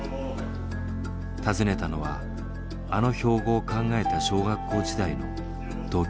訪ねたのはあの標語を考えた小学校時代の同級生。